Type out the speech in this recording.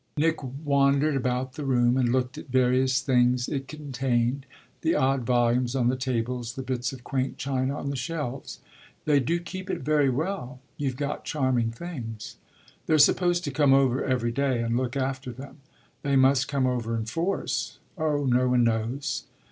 Nick wandered about the room and looked at various things it contained the odd volumes on the tables, the bits of quaint china on the shelves. "They do keep it very well. You've got charming things." "They're supposed to come over every day and look after them." "They must come over in force." "Oh no one knows."